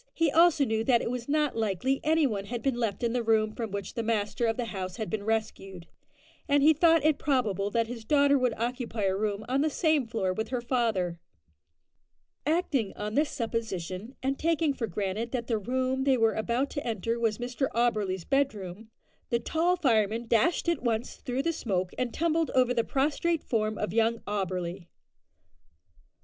He also knew that it was not likely any one had been left in the room from which the master of the house had been rescued, and he thought it probable that his daughter would occupy a room on the same floor with her father. Acting on this supposition, and taking for granted that the room they were about to enter was Mr Auberly's bedroom, the tall fireman dashed at once through the smoke, and tumbled over the prostrate form of young Auberly.